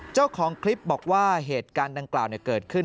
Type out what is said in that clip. เจ้าของคลิปบอกว่าเหตุการณ์ดังกล่าวเกิดขึ้น